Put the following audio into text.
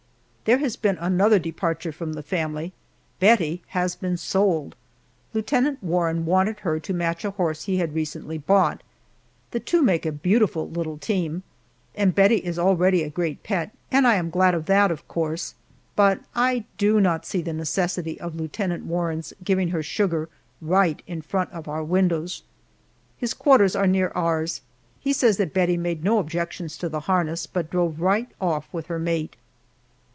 There has been another departure from the family Bettie has been sold! Lieutenant Warren wanted her to match a horse he had recently bought. The two make a beautiful little team, and Bettie is already a great pet, and I am glad of that, of course, but I do not see the necessity of Lieutenant Warren's giving her sugar right in front of our windows! His quarters are near ours. He says that Bettie made no objections to the harness, but drove right off with her mate.